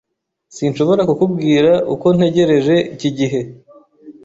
Sinshobora kukubwira uko ntegereje iki gihe.